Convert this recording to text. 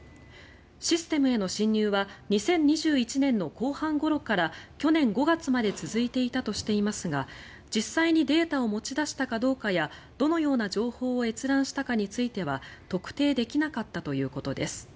システムへの侵入は２０２１年の後半ごろから去年５月まで続いていたとしていますが実際にデータを持ち出したかどうかやどのような情報を閲覧したかについては特定できなかったということです。